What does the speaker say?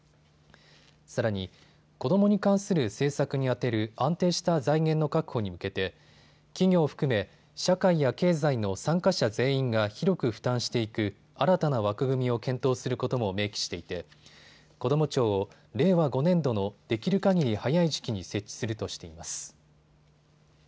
さらに、子どもに関する政策に充てる安定した財源の確保に向けて企業を含め社会や経済の参加者全員が広く負担していく新たな枠組みを検討することも明記していてこども庁を令和５年度のできるかぎり早い時期に設置するとしています。